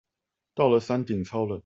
到了山頂超冷